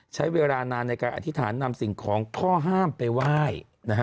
ใช้เวลานานในการอธิษฐานนำสิ่งของข้อห้ามไปไหว้